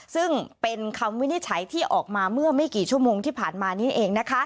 ซึ่งเป็นคำวินิจฉัยที่ออกมาเมื่อไม่กี่ชั่วโมงที่ผ่านมานี้เอง